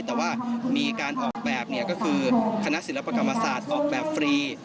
แต่ว่ามีการออกแบบก็คือคณะศิลปกรรมศาสตร์ออกแบบฟรี